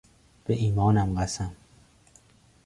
به ایمانم قسم